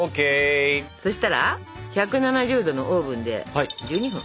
そしたら１７０℃のオーブンで１２分。